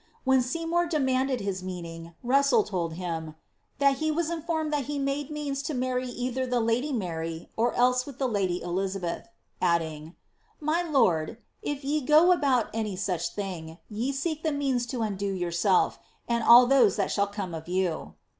When Seymour demanded his meaning, Russell told him, ^ that he was informed that he made means to marry either witli the lady Mary, or else with the lady Elizabeth,'' adding, My lord, if ye go about any such thing, ye seek the means to undo yourself, and all those that shall come of you.''